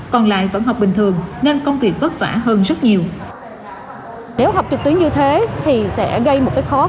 còn lại vẫn học bình thường nên công việc vất vả hơn rất nhiều khó